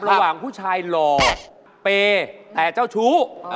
ระหว่างผู้ชายหล่อเปย์แต่เจ้าชู้